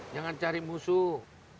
jangan cari musuh